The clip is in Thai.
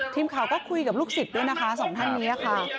ทีมข่าวก็คุยกับลูกศิษย์ด้วยนะคะสองท่านนี้ค่ะ